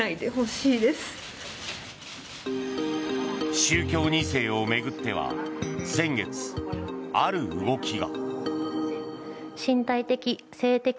宗教２世を巡っては先月、ある動きが。